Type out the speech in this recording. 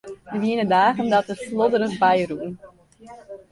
Der wiene dagen dat er der flodderich by rûn.